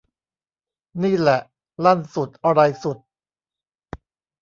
นี่แหละ ลั่นสุดอะไรสุด